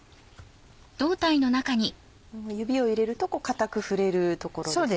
指を入れると硬く触れる所ですね。